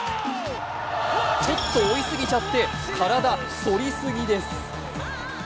ちょっと追いすぎちゃって体、反りスギです。